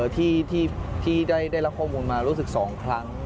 ที่ได้รับข้อมูลมารู้สึก๒ครั้ง